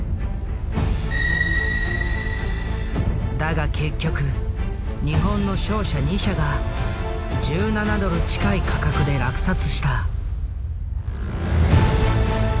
だが結局日本の商社２社が１７ドル近い価格で落札した。